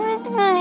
abi sedih banget